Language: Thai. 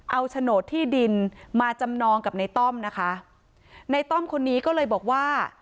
เอาโฉนดที่ดินมาจำนองกับในต้อมนะคะในต้อมคนนี้ก็เลยบอกว่า